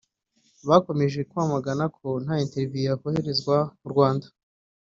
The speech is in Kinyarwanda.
bakomeje kwamagana ko nta Intervention yakoherezwa mu Rwanda